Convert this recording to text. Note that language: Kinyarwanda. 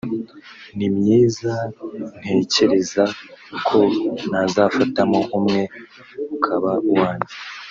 ni myiza ntekereza ko nazafatamo umwe ukaba uwanjye